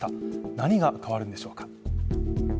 何が変わるんでしょうか。